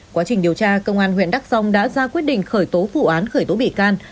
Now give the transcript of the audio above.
quá trình điều tra công an huyện đắc sông đã ra quyết định khởi tố phụ án khởi tố bị can